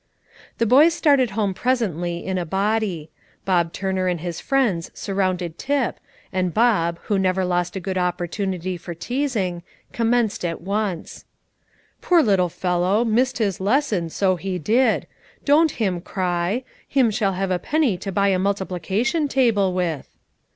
The boys started homeward presently in a body. Bob Turner and his friends surrounded Tip, and Bob, who never lost a good opportunity for teasing, commenced at once: "Poor little fellow, missed his lesson, so he did. Don't him cry; him shall have a penny to buy a multiplication table with."